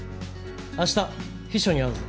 明日秘書に会うぞ。